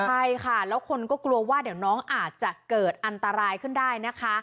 ใช่ค่ะแล้วคนก็กลัวว่าเดี๋ยวน้องอาจจะเกิดอันตรายขึ้นได้นะคะ